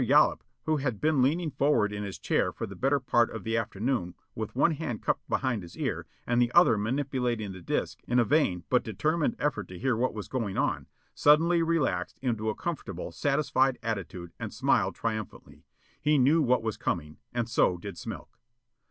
Yollop, who had been leaning forward in his chair for the better part of the afternoon with one hand cupped behind his ear and the other manipulating the disc in a vain but determined effort to hear what was going on, suddenly relaxed into a comfortable, satisfied attitude and smiled triumphantly. He knew what was coming. And so did Smilk.